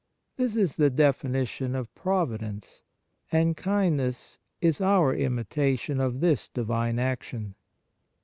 This is the definition of Providence, and kindness is our imitation of this Divine action.